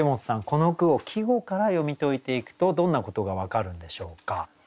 この句を季語から読み解いていくとどんなことが分かるんでしょうか。